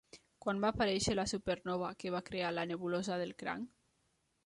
Quan va aparèixer la supernova que va crear la nebulosa del Cranc?